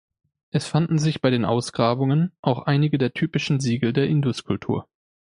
Es fanden sich bei den Ausgrabungen auch einige der typischen Siegel der Indus-Kultur.